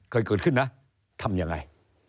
เคยเกิดขึ้นนะทำยังไง